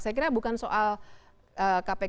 saya kira bukan soal kpk